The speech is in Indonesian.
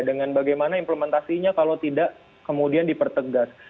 dengan bagaimana implementasinya kalau tidak kemudian dipertegas